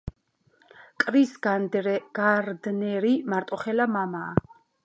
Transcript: კრის გარდნერი მარტოხელა მამაა.